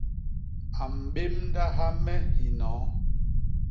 A mbémdaha me hinoo.